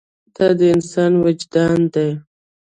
دا د انسان وجدان دی.